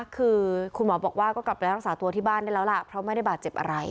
คือคุณหมอบอกว่าก็กลับไปรักษาตัวที่บ้านได้แล้วล่ะเพราะไม่ได้บาดเจ็บอะไร